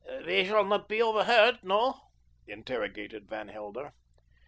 "We shall not be overheard, no?" interrogated Van Helder.